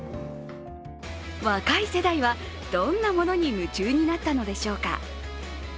若い世代は、どんなものに夢中になったのでしょうか。